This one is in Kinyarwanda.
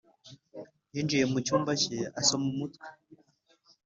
yinjiye mu cyumba cye asoma umutwe